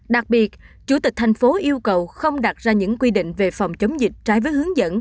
đặc biệt chủ tịch thành phố yêu cầu không đặt ra những quy định về phòng chống dịch trái với hướng dẫn